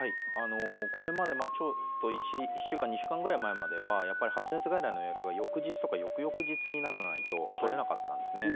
これまで１２週間前までは発熱外来の予約が翌日、翌々日にならないと取れなかったんですね。